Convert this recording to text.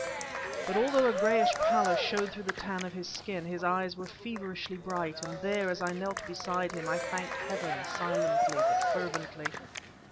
But, although a grayish pallor showed through the tan of his skin, his eyes were feverishly bright, and there, as I knelt beside him, I thanked heaven, silently but fervently.